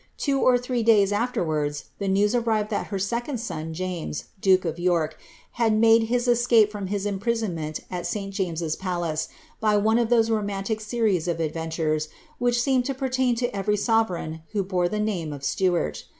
Two or three days afterwards, the news arrived that her second son, James« duke of York, had made his escape from his imprisonment in St. James'^s pilace, by one of those romantic series of adventures which seem to pertain to every sovereign who bore the name of Stuart.